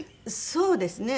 そうですね。